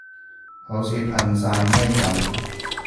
好似噴曬咪噉